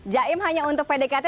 jahim hanya untuk pdkt